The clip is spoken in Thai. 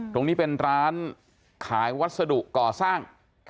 ตรงนี้เป็นร้านขายวัสดุก่อสร้าง